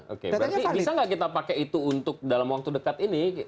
oke berarti bisa nggak kita pakai itu untuk dalam waktu dekat ini